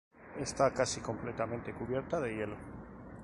Está casi completamente cubierta de hielo.